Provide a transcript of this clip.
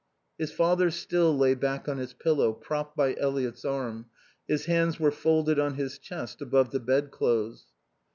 His father still lay back on his pillow, propped by Eliot's arm. His hands were folded on his chest above the bedclothes.